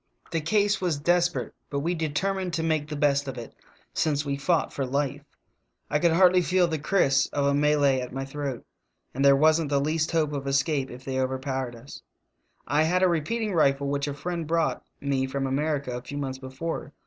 The case was desper ate, but we determined to make the best of it, since we fought for life. I could already feel the kriss of a Malay at my throat, and there wasn't the least hope of escape if they overpowered us. "I had ^ repeating rifle which a friend brought me from America a few months before.